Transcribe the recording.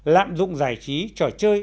lạm dụng giải trí trò chơi